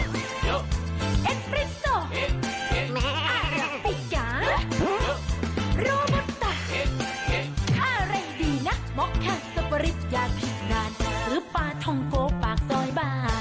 เมื่อผลิตอย่างผิดงานหรือป่าทองโฟปากซอยบ่า